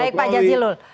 baik pak jazilul